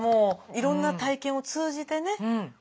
いろんな体験を通じてね